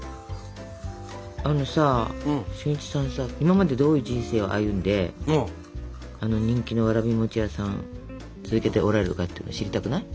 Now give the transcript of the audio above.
あのさ俊一さんさ今までどういう人生を歩んであの人気のわらび餅屋さん続けておられるかっていうの知りたくない？